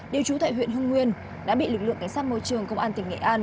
điều chú tại huyện hưng nguyên đã bị lực lượng cảnh sát môi trường công an tỉnh nghệ an